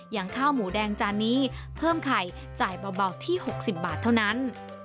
อย่างข้าวหมูแดงจานนี้เพิ่มไข่จ่ายเบาที่๖๐บาทเท่านั้น